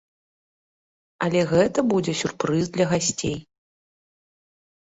Але гэта будзе сюрпрыз для гасцей.